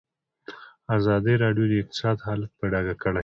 ازادي راډیو د اقتصاد حالت په ډاګه کړی.